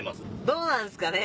どうなんですかね